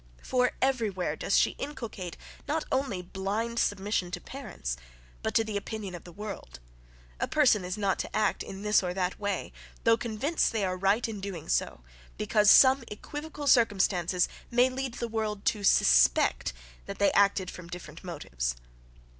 For every where does she inculcate not only BLIND submission to parents; but to the opinion of the world.* (*Footnote. A person is not to act in this or that way, though convinced they are right in so doing, because some equivocal circumstances may lead the world to SUSPECT that they acted from different motives.